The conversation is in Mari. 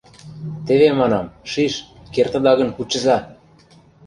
Теве, манам, шиш, кертыда гын, кучыза!